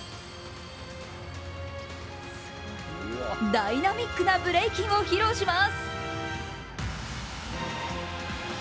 ダイナミックなブレイキンを披露します。